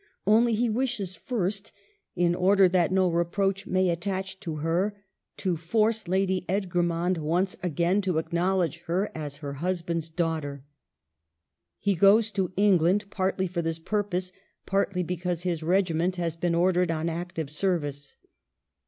Only he wishes first — in order that no reproach may attach to her — to force Lady Edgermond once again to acknowledge her as her husband's daughter. He goes to England, partly for this purpose, partly because his regiment has been ordered on active service.